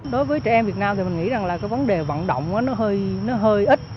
đối với trẻ em việt nam thì mình nghĩ rằng là cái vấn đề vận động nó hơi ít